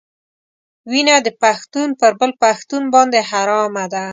وینه د پښتون پر بل پښتون باندې حرامه ده.